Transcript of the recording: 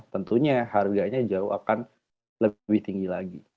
tentunya harganya jauh akan lebih tinggi lagi